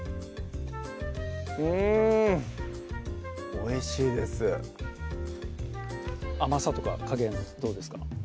おいしいです甘さとか加減どうですか？